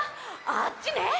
あっちね！